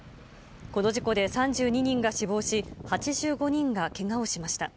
この事故で３２人が死亡し、８５人がけがをしました。